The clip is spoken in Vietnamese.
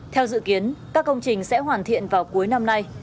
theo dự kiến các công trình sẽ hoàn thiện vào cuối năm nay